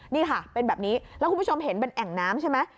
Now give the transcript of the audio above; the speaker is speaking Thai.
นี่ค่ะเป็นแบบนี้แล้วคุณผู้ชมเห็นเป็นแอ่งน้ำใช่ไหม